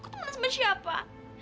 aku teman sama siapa